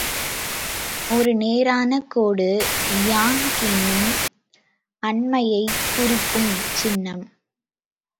ஒரு நேரான கோடு யாங் எனும் ஆண்மையைக் குறிக்கும் சின்னம்.